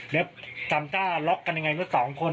แล้วตามต้าร๊อคกันอย่างไรก็๒คน